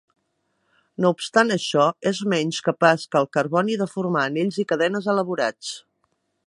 No obstant això, és menys capaç que el carboni de formar anells i cadenes elaborats.